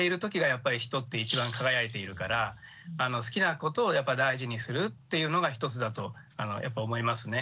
やっぱり人って一番輝いているから好きなことを大事にするっていうのが一つだとやっぱ思いますね。